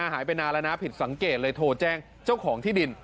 หายไปนานแล้วนะผิดสังเกตเลยโทรแจ้งเจ้าของที่ดิน